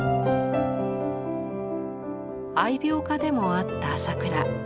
愛猫家でもあった朝倉。